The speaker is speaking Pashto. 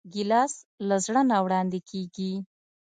ګیلاس له زړه نه وړاندې کېږي.